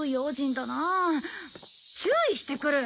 注意してくる！